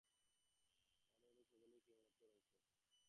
আমাদের মধ্যে সকলেই সেই মহত্তত্ত্বের অংশ।